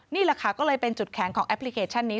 นี่แหละค่ะก็เลยเป็นจุดแข็งของแอปพลิเคชันนี้